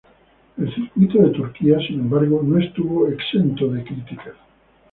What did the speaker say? El circuito de Turquía, sin embargo, no estuvo exento de críticas.